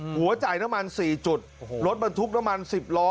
หัวจ่ายน้ำมัน๔จุดรถบรรทุกน้ำมัน๑๐ล้อ